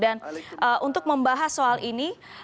dan untuk membahas soal ini